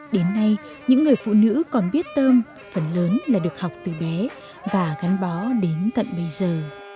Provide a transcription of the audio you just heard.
đến nay những người phụ nữ còn biết tôm phần lớn là được học từ bé và gắn bó đến tận bây giờ